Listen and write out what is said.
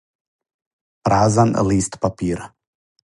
Празан лист папира.